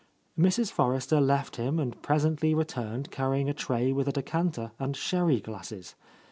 Mrs. Forrester left him and presently returned carrying a tray with a decanter and sherry glasses.